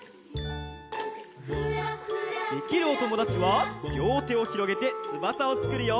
できるおともだちはりょうてをひろげてつばさをつくるよ。